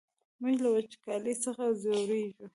موږ له وچکالۍ څخه ځوريږو!